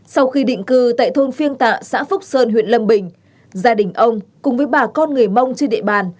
sau khi định cư tại thôn phiêng tạ xã phúc sơn huyện lâm bình gia đình ông cùng với bà con người mông trên địa bàn